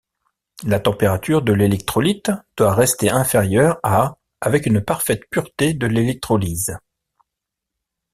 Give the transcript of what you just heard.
La température de l'électrolyte doit rester inférieure à avec une parfaite pureté de l'électrolyse.